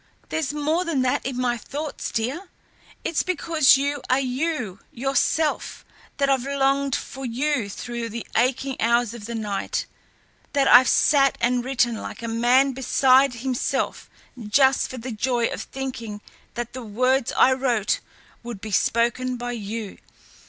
There's more than that in my thoughts, dear. It's because you are you, yourself, that I've longed for you through the aching hours of the night, that I've sat and written like a man beside himself just for the joy of thinking that the words I wrote would be spoken by you.